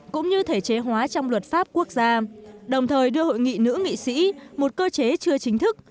cũng như thể chế hóa trong luật pháp quốc gia đồng thời đưa hội nghị nữ nghị sĩ một cơ chế chưa chính thức